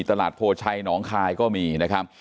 โพชัยหนองคายก็มีนะครับ